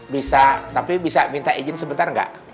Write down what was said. bisa tapi bisa minta izin sebentar nggak